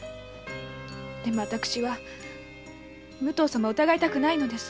でも私は武藤様を疑いたくないのです。